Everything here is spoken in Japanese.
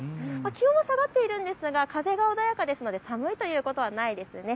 気温は下がっているんですが風が穏やかですので寒いということはないですね。